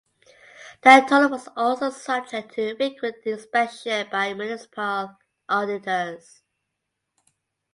The Taula was also subject to frequent inspection by municipal auditors.